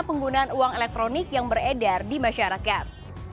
penggunaan uang elektronik yang beredar di masyarakat